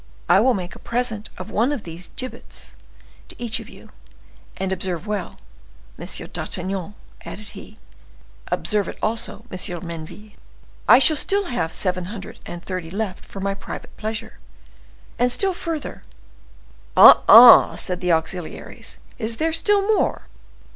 I will make a present of one of these gibbets to each of you, and observe well, M. d'Artagnan,' added he (observe it also, M. Menneville), 'I shall still have seven hundred and thirty left for my private pleasure. And still further—'" "Ah! ah!" said the auxiliaries, "is there still more?"